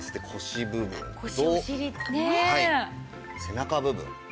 背中部分。